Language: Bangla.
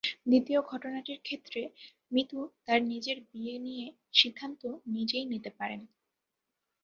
দ্বিতীয় ঘটনাটির ক্ষেত্রে মিতু তাঁর নিজের বিয়ে নিয়ে সিদ্ধান্ত নিজেই নিতে পারেন।